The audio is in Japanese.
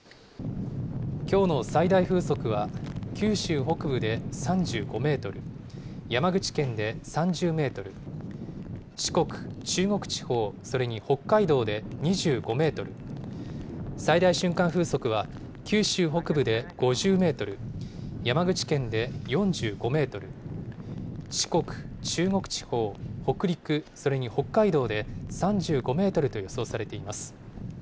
きょうの最大風速は、九州北部で３５メートル、山口県で３０メートル、四国、中国地方、それに北海道で２５メートル、最大瞬間風速は九州北部で５０メートル、山口県で４５メートル、四国、中国地方、北陸、それに北海道で３５メートルと予想されています。